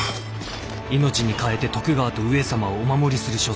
命に代えて徳川と上様をお守りする所存だ。